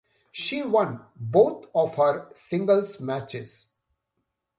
She won both of her singles matches.